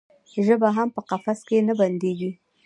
ژبه هم په قفس کې نه بندیږي.